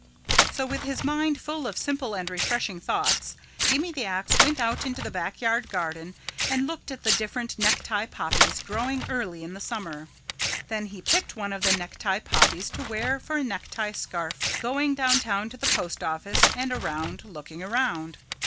So with his mind full of simple and refreshing thoughts, Gimme the Ax went out into the backyard garden and looked at the different necktie poppies growing early in the summer. Then he picked one of the necktie poppies to wear for a necktie scarf going downtown to the postoffice and around looking around.